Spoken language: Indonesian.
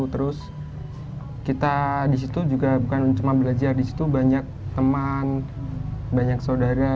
terus kita di situ juga bukan cuma belajar di situ banyak teman banyak saudara